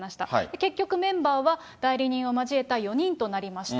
結局メンバーは、代理人を交えた４人となりました。